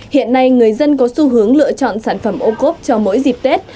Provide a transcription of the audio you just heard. hiện nay người dân có xu hướng lựa chọn sản phẩm ô cốp cho mỗi dịp tết